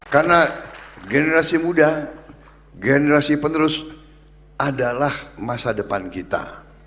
karena generasi muda generasi penerus adalah masa depan kita